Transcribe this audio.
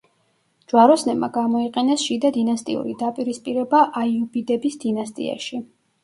ჯვაროსნებმა გამოიყენეს შიდა დინასტიური დაპირისპირება აიუბიდების დინასტიაში.